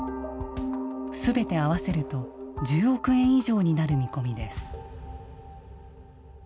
すべて合わせると１０億円以上になる見込みです。